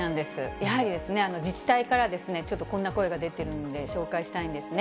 やはり自治体からは、ちょっとこんな声が出てるんで、紹介したいんですね。